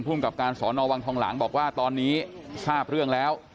กับการสอนอวังทองหลางบอกว่าตอนนี้ทราบเรื่องแล้ว